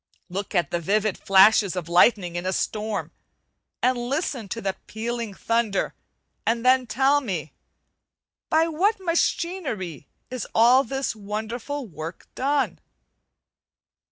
Look at the vivid flashes of lightening in a storm, and listen to the pealing thunder: and then tell me, by what machinery is all this wonderful work done?